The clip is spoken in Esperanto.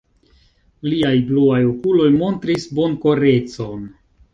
Liaj bluaj okuloj montris bonkorecon.